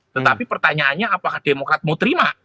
tetapi pertanyaannya apakah demokrat mau terima